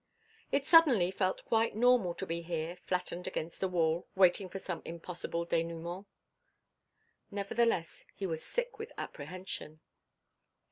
It suddenly felt quite normal to be here flattened against a wall waiting for some impossible dénouement. Nevertheless, he was sick with apprehension.